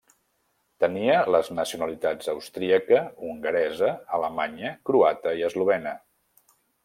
Tenia les nacionalitats austríaca, hongaresa, alemanya, croata i eslovena.